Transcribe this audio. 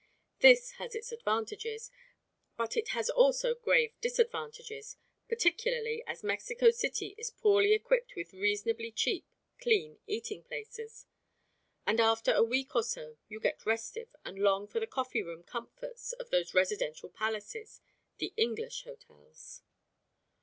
This has its advantages, but it has also grave disadvantages, particularly as Mexico City is poorly equipped with reasonably cheap, clean, eating places; and after a week or so you get restive and long for the coffee room comforts of those residential palaces, the English hotels.